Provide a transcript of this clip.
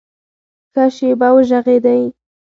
ښه شېبه وږغېدی !